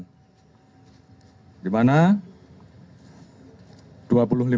di mana saya rasa kita harus mencari tempat untuk mencari tempat untuk mencari tempat untuk mencari tempat untuk mencari